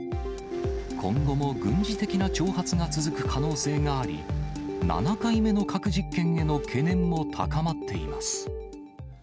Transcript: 今後も軍事的な挑発が続く可能性があり、７回目の核実験への懸念も高まっています。